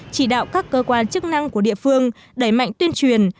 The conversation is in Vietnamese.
chỉ đạo các cơ quan chức năng của địa phương đẩy mạnh tuyên truyền